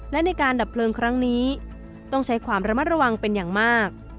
และในการดับเพลิงครั้งนี้ต้องใช้ความระมัดระวังเป็นอย่างมาก